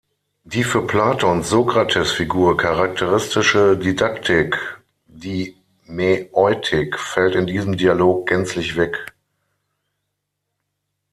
Die für Platons Sokrates-Figur charakteristische Didaktik, die Mäeutik, fällt in diesem Dialog gänzlich weg.